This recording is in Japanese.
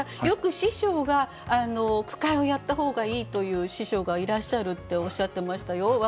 よく師匠が「句会をやった方がいいと言う師匠がいらっしゃる」っておっしゃってましたよ。